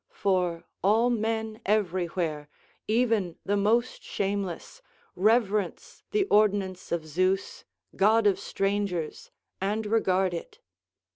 For all men everywhere, even the most shameless, reverence the ordinance of Zeus, god of strangers, and regard it."